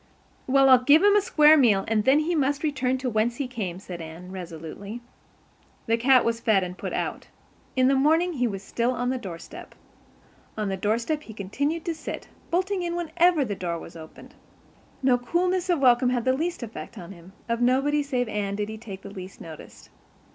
"Well, I'll give him a square meal and then he must return to whence he came," said Anne resolutely. The cat was fed and put out. In the morning he was still on the doorstep. On the doorstep he continued to sit, bolting in whenever the door was opened. No coolness of welcome had the least effect on him; of nobody save Anne did he take the least notice.